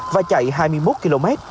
và chạy hai mươi một km